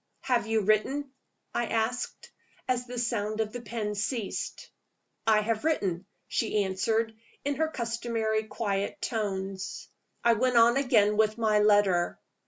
"Have you written?" I asked, as the sound of the pen ceased. "I have written," she answered, in her customary quiet tones. I went on again with my letter.